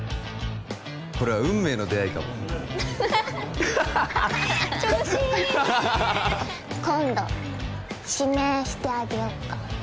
これは運命の出会いかも調子いいね今度指名してあげよっか？